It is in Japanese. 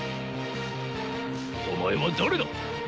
お前は誰だ？